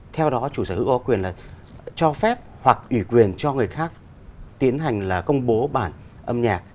theo đó chủ sở hữu có quyền là cho phép hoặc ủy quyền cho người khác tiến hành là công bố bản âm nhạc